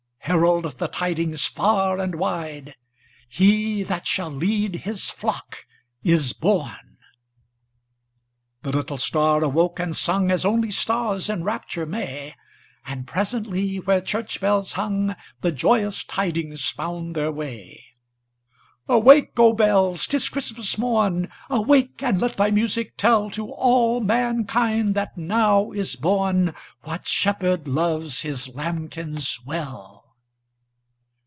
Herald the tidings far and wide He that shall lead His flock is born!" The little star awoke and sung As only stars in rapture may, And presently where church bells hung The joyous tidings found their way. [Illustration: Share thou this holy time with me, The universal hymn of love. ] "Awake, O bells! 't is Christmas morn Awake and let thy music tell To all mankind that now is born What Shepherd loves His lambkins well!"